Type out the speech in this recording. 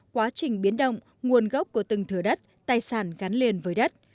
quá trình biến động nguồn gốc của từng thửa đất tài sản gắn liền với đất